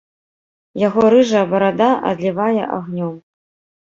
Яго рыжая барада адлівае агнём.